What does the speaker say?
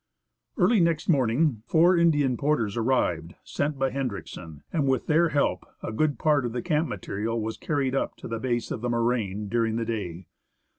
Early next morning, four Indian porters arrived, sent by Hen driksen, and with their help a good part of the camp material was carried up to the base of the moraine during the day.